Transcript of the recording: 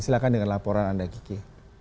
silahkan dengan laporan anda kiki